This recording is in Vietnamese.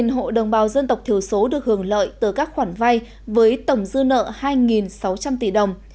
một mươi hộ đồng bào dân tộc thiểu số được hưởng lợi từ các khoản vay với tổng dư nợ hai sáu trăm linh tỷ đồng